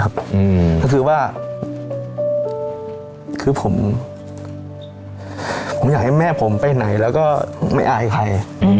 ก็คือว่าคือผมอยากให้แม่ผมไปไหนแล้วก็ไม่อายใคร